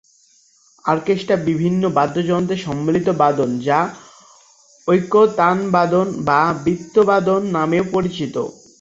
Orchestra বিভিন্ন বাদ্যযন্ত্রের সম্মিলিত বাদন, যা ঐকতানবাদন বা বৃন্দবাদন নামেও পরিচিত।